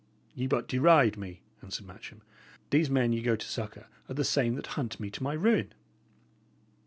"Ye but deride me," answered Matcham. "These men ye go to succour are the I same that hunt me to my ruin."